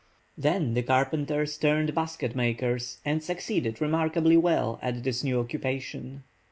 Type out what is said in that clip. Then the carpenters turned basket makers, and succeeded remarkably well at this new occupation.